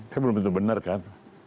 kan belum tentu benar kan